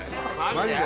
マジで？